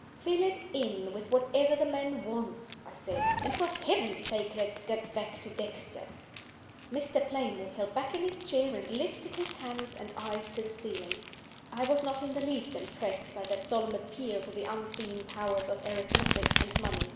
"Fill it in with whatever the man wants," I said. "And for Heaven's sake let us get back to Dexter!" Mr. Playmore fell back in his chair, and lifted his hands and eyes to the ceiling. I was not in the least impressed by that solemn appeal to the unseen powers of arithmetic and money.